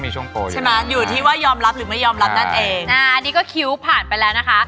น่านี่ก็คิ้วผ่านไปแล้วนะคะ